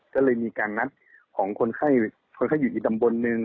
ก็เลยมีการนัดของคนไข้ก็เคยอยู่ที่ตำบลหนึ่ง